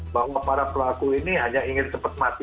bahwa para pelaku ini hanya ingin cepat mati